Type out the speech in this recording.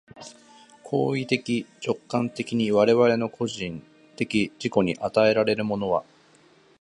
行為的直観的に我々の個人的自己に与えられるものは、